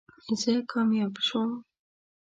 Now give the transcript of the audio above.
زه کامیاب شوم